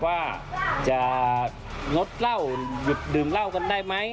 ว่าจะงดเหล้าหยุดดื่มเหล้ากันได้ไหม